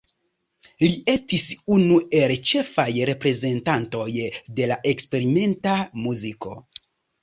Li estis unu el ĉefaj reprezentantoj de la eksperimenta muziko.